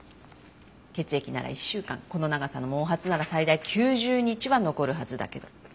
血液なら１週間この長さの毛髪なら最大９０日は残るはずだけど。